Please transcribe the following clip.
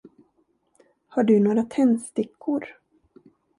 Har du några tändstickor?